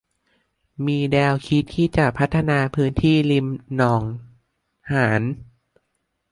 มีแนวคิดที่จะพัฒนาพื้นที่ริมหนองหาร